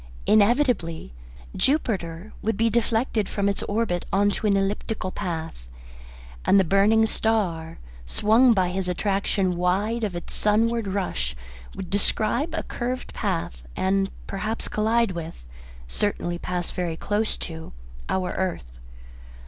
Inevitably Jupiter would be deflected from its orbit into an elliptical path, and the burning star, swung by his attraction wide of its sunward rush, would "describe a curved path," and perhaps collide with, and certainly pass very close to, our earth.